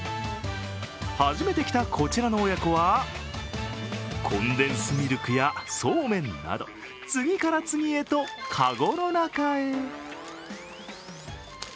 初めて来たこちらの親子はコンデンスミルクやそうめんなど次から次へと籠の中へ。